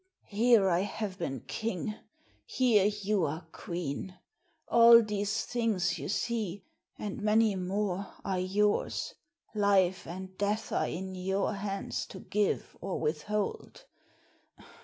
"Here I have been king; here you are queen; all these things you see, and many more, are yours; life and death are in your hands to give or withhold.